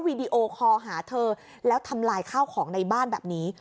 วีดีโอคอลหาเธอแล้วทำลายข้าวของในบ้านแบบนี้